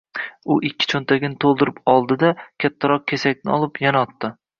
U ikki cho‘ntagini to‘ldirib oldi-da, kattaroq kesakni olib, yana otdi.